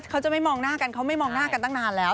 เขาจะไม่มองหน้ากันเขาไม่มองหน้ากันตั้งนานแล้ว